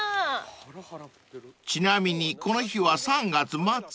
［ちなみにこの日は３月末。